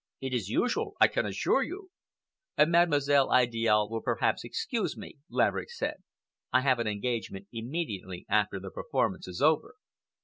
It is usual, I can assure you." "Mademoiselle Idiale will perhaps excuse me," Laverick said. "I have an engagement immediately after the performance is over."